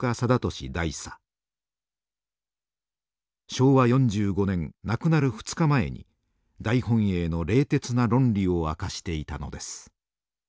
昭和４５年亡くなる２日前に大本営の冷徹な論理を明かしていたのです。